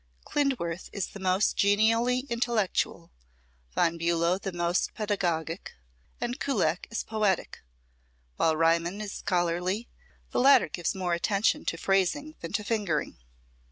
Klindworth is the most genially intellectual, Von Bulow the most pedagogic, and Kullak is poetic, while Riemann is scholarly; the latter gives more attention to phrasing than to fingering.